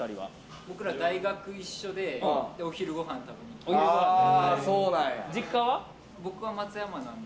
僕ら大学が一緒でお昼ごはんを食べに来て。